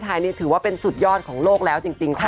ผลไม้ไทยถือว่าเป็นสุดยอดของโลกกับโลกแล้วจริงค่ะ